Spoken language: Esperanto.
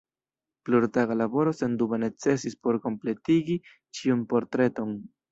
Plurtaga laboro sendube necesis por kompletigi ĉiun portreton.